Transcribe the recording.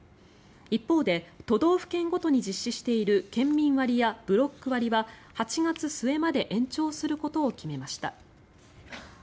一方で都道府県ごとに実施している県民割やブロック割は８月末まで延長することを決めました。